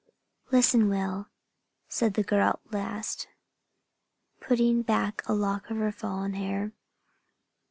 "Listen, Will," said the girl at last, putting back a lock of her fallen hair.